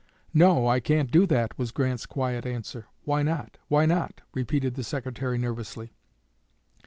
"No, I can't do that," was Grant's quiet answer. "Why not? Why not?" repeated the Secretary nervously.